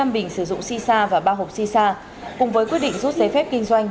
hai mươi năm bình sử dụng si sa và ba hộp si sa cùng với quyết định rút giấy phép kinh doanh